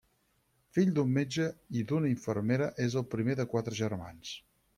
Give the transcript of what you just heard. Fill d'un metge i d'una infermera és el primer de quatre germans.